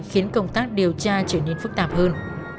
khiến công tác điều tra trở nên phức tạp hơn